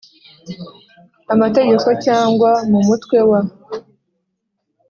Amategeko cyangwa mu Mutwe wa